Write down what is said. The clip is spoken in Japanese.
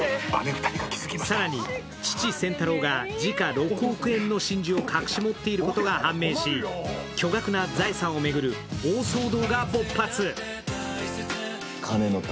更に父・仙太郎が時価６億円の真珠を隠し持っていることが判明し、巨額な財産を巡る大騒動が勃発。